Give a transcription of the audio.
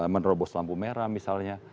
menerobos lampu merah misalnya